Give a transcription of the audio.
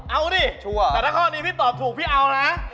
เอาตัวพี่ก็พูดว่าเอา